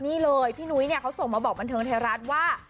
นี่เลยพี่นุ้ยเนี่ยเขาส่งมาบอกบันเทิงไทยรัฐว่า